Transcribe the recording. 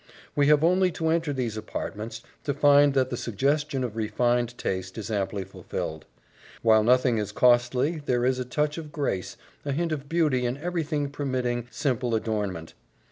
We have only to enter these apartments to find that the suggestion of refined taste is amply fulfilled. While nothing is costly, there is a touch of grace, a hint of beauty in everything permitting simple adornment.